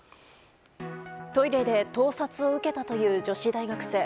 トイレで盗撮を受けたという女子大学生。